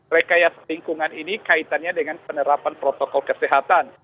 rekayat selingkungan ini kaitannya dengan penerapan protokol kesehatan